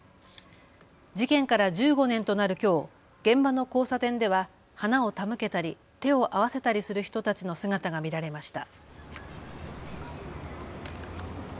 事件から１５年となるきょう現場の交差点では花を手向けたり手を合わせたりする人たちの姿が見られました。